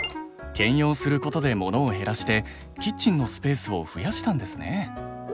兼用することでモノを減らしてキッチンのスペースを増やしたんですね。